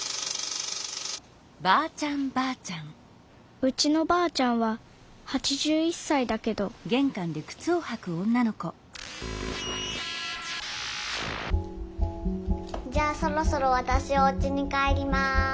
うちのばあちゃんは８１さいだけどじゃあそろそろわたしおうちに帰ります。